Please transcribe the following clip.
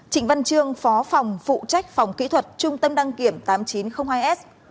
trịnh văn trương phó phòng phụ trách phòng kỹ thuật trung tâm đăng kiểm tám nghìn chín trăm linh hai s